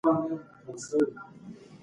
هغې فکر کاوه چې دا سړی به هیڅکله ظلم ونه کړي.